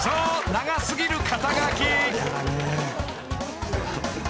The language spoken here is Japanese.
長過ぎる肩書］